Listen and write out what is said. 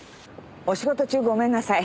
お仕事中ごめんなさい。